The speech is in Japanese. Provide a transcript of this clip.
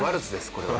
これは。